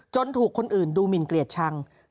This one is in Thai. ถูกคนอื่นดูหมินเกลียดชัง